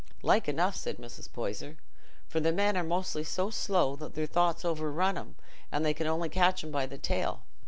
"Like enough," said Mrs. Poyser, "for the men are mostly so slow, their thoughts overrun 'em, an' they can only catch 'em by the tail.